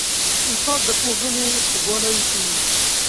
استاد د پوهنې خوږوالی ښيي.